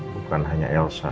bukan hanya elsa